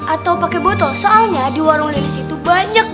atau pakai botol soalnya di warung linis itu banyak